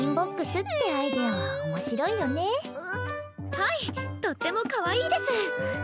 はいとってもかわいいです！